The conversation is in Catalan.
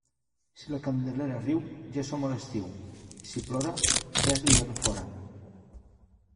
Si la Candelera riu, ja som a l'estiu; i si plora, ja és l'hivern fora.